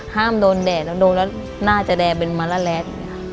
ห้ามโดนแดดแล้วดูแล้วหน้าจะแดดเป็นมารเล็ต